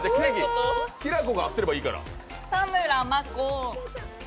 きらこが合ってればいいから。